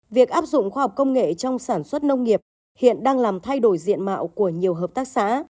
việc áp dụng khoa học công nghệ trong sản xuất nông nghiệp hiện đang làm thay đổi diện mạo của nhiều hợp tác xã